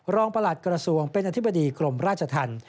ประหลัดกระทรวงเป็นอธิบดีกรมราชธรรม